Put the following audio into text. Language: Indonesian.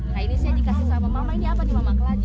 nah ini saya dikasih sama mama ini apa nih mama kelan